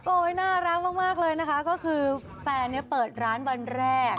น่ารักมากเลยนะคะก็คือแฟนเนี่ยเปิดร้านวันแรก